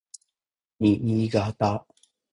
Niigata